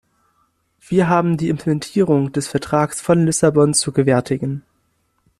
Wir haben die Implementierung des Vertrags von Lissabon zu gewärtigen.